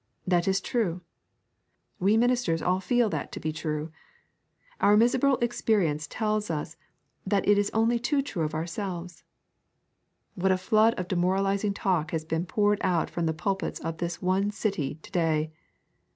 That is true. We ministers all feel that to be true. Our miserable experience tells us that is only too true of ourselves. What a flood of demoralising talk has been poured out from the pulpits of this one city to day!